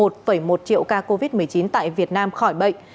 một một triệu ca covid một mươi chín tại việt nam khỏi bệnh